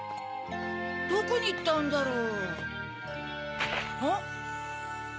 どこにいったんだろう？ん？